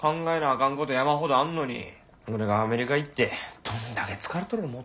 かんこと山ほどあんのに俺がアメリカ行ってどんだけ疲れとる思う